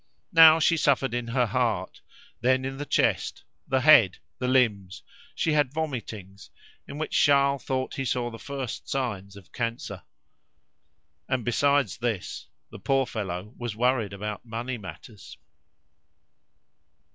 Now she suffered in her heart, then in the chest, the head, the limbs; she had vomitings, in which Charles thought he saw the first signs of cancer. And besides this, the poor fellow was worried about money matters.